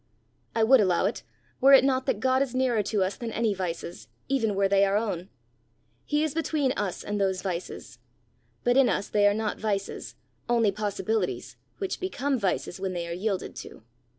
"I would allow it, were it not that God is nearer to us than any vices, even were they our own; he is between us and those vices. But in us they are not vices only possibilities, which become vices when they are yielded to.